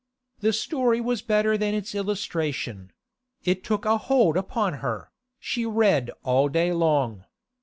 The story was better than its illustration; it took a hold upon her; she read all day long.